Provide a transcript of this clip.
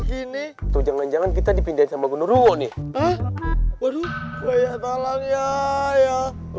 gini tuh jangan jangan kita dipindahkan sama gunung ini waduh saya talang ya ya